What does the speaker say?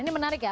ini menarik ya